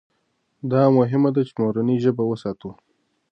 دا مهمه ده چې مورنۍ ژبه وساتو.